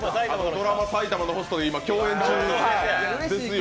ドラマ「埼玉のホスト」で今、共演中ですよ。